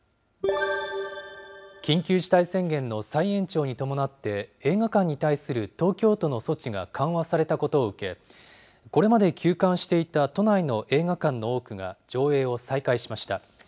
緊急事態宣言の再延長に伴って、映画館に対する東京都の措置が緩和されたことを受け、これまで休館していた都内の映画館の多くが上映を再開しました。